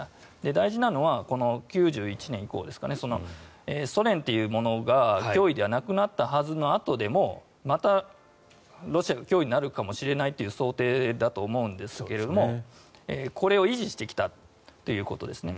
大事なのは９１年以降ですかねソ連というものが脅威ではなくなったはずのあとでもまたロシアが脅威になるかもしれないという想定だと思うんですがこれを維持してきたということですね。